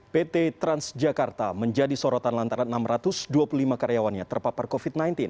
pt transjakarta menjadi sorotan lantaran enam ratus dua puluh lima karyawannya terpapar covid sembilan belas